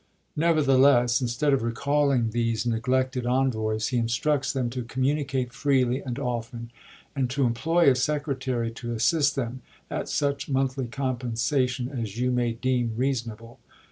Nevertheless, instead of recalling these neglected envoys, he instructs them to " communicate freely and often," and to employ a secretary to assist them, " at such monthly compensation as you may deem reasonable."